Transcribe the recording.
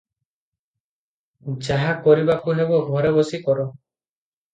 ଯାହା କରିବାକୁ ହେବ, ଘରେ ବସି କର ।